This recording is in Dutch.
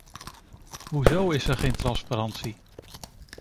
Hoezo is er geen transparantie?